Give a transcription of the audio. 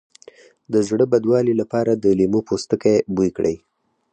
د زړه بدوالي لپاره د لیمو پوستکی بوی کړئ